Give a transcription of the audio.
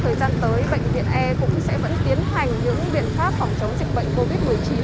bên cạnh đó trong thời gian tới bệnh viện e cũng sẽ vẫn tiến hành những biện pháp phòng chống dịch bệnh covid một mươi chín